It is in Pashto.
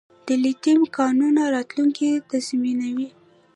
د لیتیم کانونه راتلونکی تضمینوي